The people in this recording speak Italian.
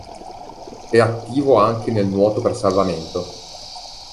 È attivo anche nel nuoto per salvamento.